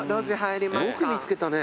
よく見つけたね。